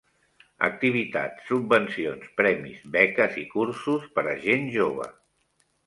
Activitats, subvencions, premis, beques i cursos per a gent jove.